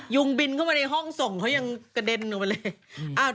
งบินเข้ามาในห้องส่งเขายังกระเด็นออกมาเลย